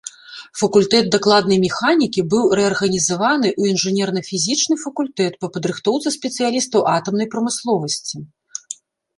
Факультэт дакладнай механікі быў рэарганізаваны ў інжынерна-фізічны факультэт па падрыхтоўцы спецыялістаў атамнай прамысловасці.